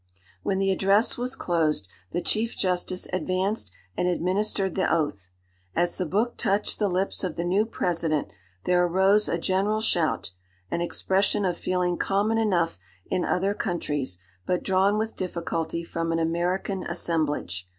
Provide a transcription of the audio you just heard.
"When the address was closed, the Chief Justice advanced and administered the oath. As the book touched the lips of the new President, there arose a general shout, an expression of feeling common enough in other countries, but drawn with difficulty from an American assemblage.